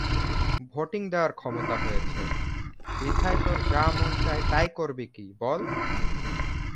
Voting দেওয়ার ক্ষমতা হয়েছে, বিধায় তোর যা মন চায় তাই করবি কি বল?